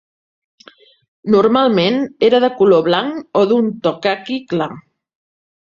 Normalment era de color blanc o d'un to caqui clar.